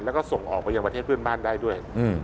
แล้วก็ส่งออกไปยังประเทศเพื่อนบ้านได้ด้วย